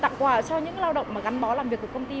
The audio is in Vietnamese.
tặng quà cho những lao động mà gắn bó làm việc của công ty